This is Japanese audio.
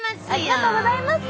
ありがとうございます。